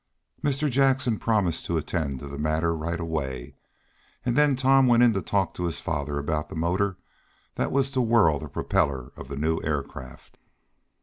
Mr. Jackson promised to attend to the matter right away, and then Tom went in to talk to his father about the motor that was to whirl the propeller of the new air craft.